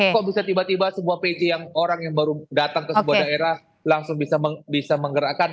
kok bisa tiba tiba sebuah pj yang orang yang baru datang ke sebuah daerah langsung bisa menggerakkan